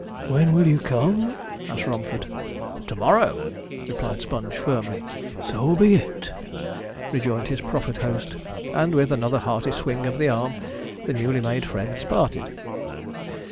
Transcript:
'When will you come?' asked Romford. 'To morrow!' replied Sponge firmly. 'So be it,' rejoined his proffered host; and, with another hearty swing of the arm, the newly made friends parted.